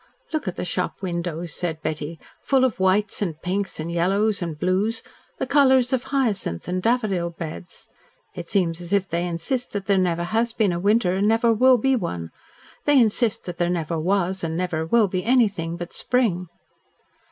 "Look at the shop windows," said Betty, "full of whites and pinks and yellows and blues the colours of hyacinth and daffodil beds. It seems as if they insist that there never has been a winter and never will be one. They insist that there never was and never will be anything but spring."